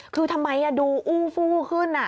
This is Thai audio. คือทำไมดูอู้ฟู้ขึ้น